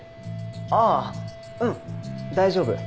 あぁうん大丈夫。